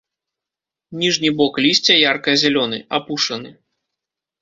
Ніжні бок лісця ярка-зялёны, апушаны.